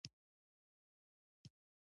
دوه زره افغانۍ د احمد له سره نه تاووم.